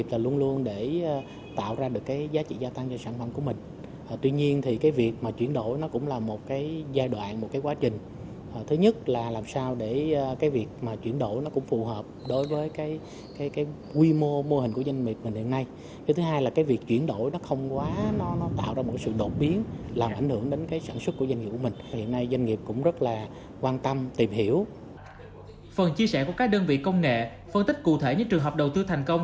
phần chia sẻ của các đơn vị công nghệ phân tích cụ thể những trường hợp đầu tư thành công